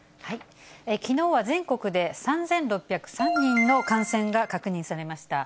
きのうは全国で３６０３人の感染が確認されました。